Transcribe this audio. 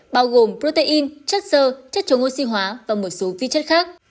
bao gồm protein chất sơ chất chống oxy hóa và một số vi chất khác